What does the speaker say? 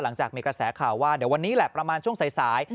หลังจากมีกระแสข่าวว่าเดี๋ยววันนี้แหละประมาณช่วงสาย